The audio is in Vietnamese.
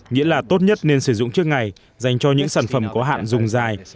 nghĩa là tốt nhất nên sử dụng trước ngày dành cho những sản phẩm có hạn dùng dài